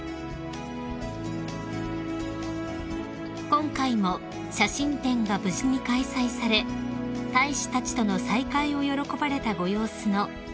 ［今回も写真展が無事に開催され大使たちとの再会を喜ばれたご様子の久子さまです］